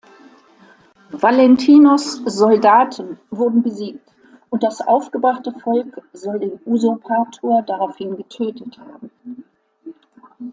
Valentinos' Soldaten wurden besiegt, und das aufgebrachte Volk soll den Usurpator daraufhin getötet haben.